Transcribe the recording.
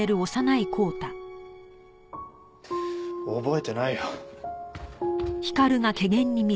覚えてないよ。